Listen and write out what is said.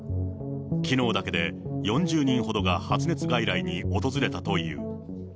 きのうだけで４０人ほどが発熱外来に訪れたという。